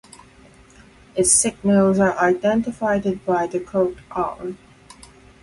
Its signals are identified by the code letter 'R'.